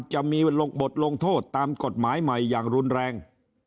จะมีบทลงโทษตามกฎหมายใหม่อย่างรุนแรง